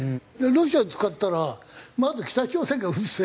ロシア使ったらまず北朝鮮が打つぜ。